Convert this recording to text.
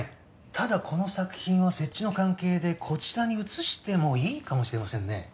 ただこの作品は設置の関係でこちらに移してもいいかもしれませんね